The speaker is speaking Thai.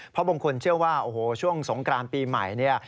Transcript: เพราะบางคนเชื่อว่าโอ้โหช่วงสงกรานปีใหม่เนี่ย